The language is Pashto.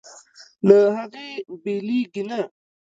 له هغې بېلېږي نه.